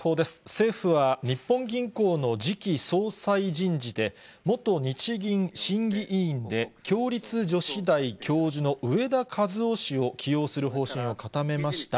政府は、日本銀行の次期総裁人事で、元日銀審議委員で、共立女子大教授の植田和男氏を起用する方針を固めました。